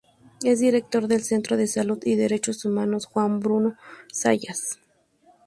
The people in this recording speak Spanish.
Es director del Centro de Salud y Derechos Humanos Juan Bruno Zayas.